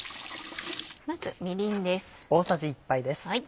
まずみりんです。